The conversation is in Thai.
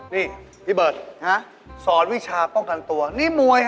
นี่พี่เบิร์ตสอนวิชาป้องกันตัวนี่มวย